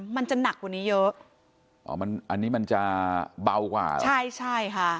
มันจะหนักกว่านี้เยอะอันนี้มันจะเบากว่าใช่ค่ะ